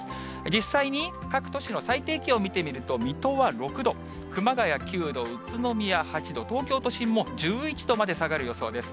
実際に各都市の最低気温を見てみると、水戸は６度、熊谷９度、宇都宮８度、東京都心も１１度まで下がる予想です。